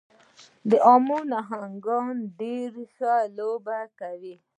د امو نهنګان ډېره ښه لوبه کوي.